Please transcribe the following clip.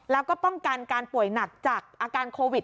แล้วก็ป้องกันการป่วยหนักจากอาการโควิด